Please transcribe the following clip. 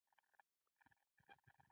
لیوه وتښتید او وزه وژغورل شوه.